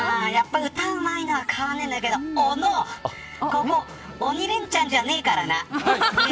歌がうまいのは変わらないけど小野ここ鬼レンチャンじゃないからな。